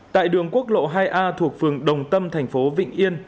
tại đường quốc lộ hai a thuộc phường đồng tâm thành phố vịnh yên